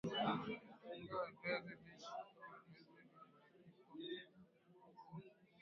Unga wa viazi lishe au viazi vilivyopikwa na kupondwa